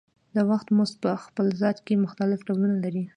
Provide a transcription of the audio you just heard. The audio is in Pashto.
د وخت مزد په خپل ذات کې مختلف ډولونه لري